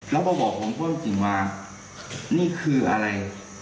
แล้วก็บอกผมก็จริงว่านี่คืออะไร